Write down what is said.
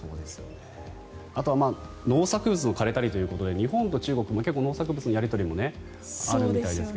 あとは農作物も枯れたりということで日本と中国、結構農作物のやり取りもあるようですけど。